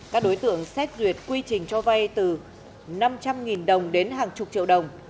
các đối tượng xét duyệt quy trình cho vay từ năm trăm linh đồng đến hàng chục triệu đồng